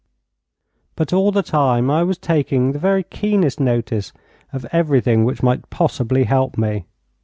But all the time I was taking the very keenest notice of everything which might possibly help me.